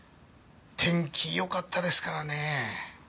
天気よかったですからね。